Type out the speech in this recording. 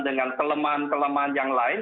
dengan kelemahan kelemahan yang lain